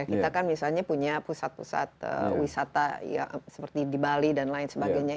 kita kan misalnya punya pusat pusat wisata seperti di bali dan lain sebagainya